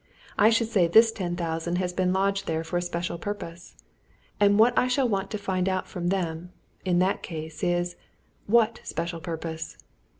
I should say this ten thousand has been lodged there for a special purpose. And what I shall want to find out from them, in that case, is what special purpose?